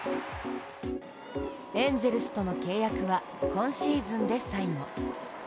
エンゼルスとの契約は、今シーズンで最後。